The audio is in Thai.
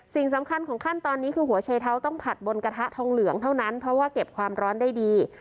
สิ่งสำคัญของขั้นตอนนี้คือหัวเชเท้าต้องผัดบนกระทะทองเหลืองเท่านั้นเพราะว่าเก็บความร้อนได้ดี